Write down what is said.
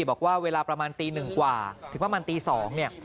บอกว่าเวลาประมาณตีหนึ่งกว่าถึงประมาณตีสอง